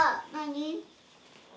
何？